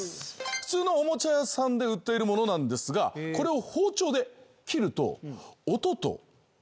普通のおもちゃ屋さんで売っているものなんですがこれを包丁で切ると。